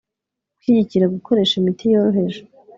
gushyigikira gukoresha imiti yoroheje